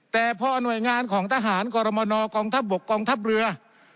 แต่พอหน่วยงานของทหารกรมนกองทัพบกกองทัพเรือ